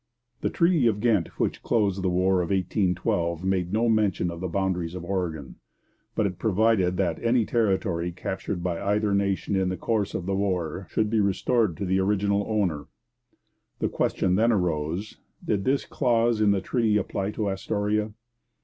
The Treaty of Ghent which closed the War of 1812 made no mention of the boundaries of Oregon, but it provided that any territory captured by either nation in the course of the war should be restored to the original owner. The question then arose: did this clause in the treaty apply to Astoria?